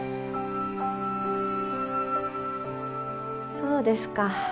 そうですか。